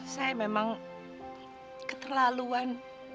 saya memang keterlaluan